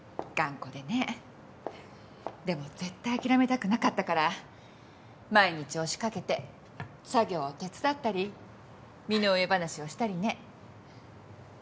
でも絶対諦めたくなかったから毎日押し掛けて作業を手伝ったり身の上話をしたりね。